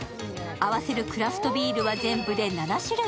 合わせるクラフトビールは全部で７種類。